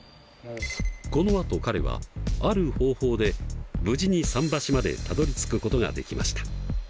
このあと彼はある方法で無事に桟橋までたどりつくことができました。